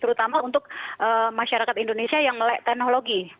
terutama untuk masyarakat indonesia yang melek teknologi